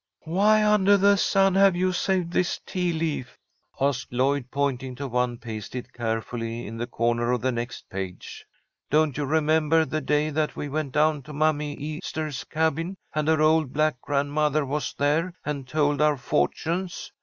"Why undah the sun have you saved this tea leaf?" asked Lloyd, pointing to one pasted carefully in the corner of the next page. "Don't you remember the day that we went down to Mammy Easter's cabin, and her old black grandmother was there, and told our fortunes?